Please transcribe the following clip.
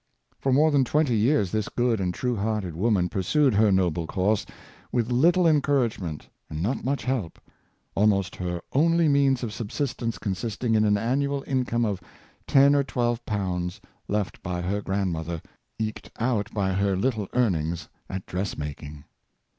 For more than twenty years this good and true hearted woman pursued her noble course, with little encouragement and not much help; almost her only means of subsistence consisting in an annual income of Story of Sarah Martin, 471 ten or twelve pounds left by her grandmotner, eked out by her little earnings at dress making.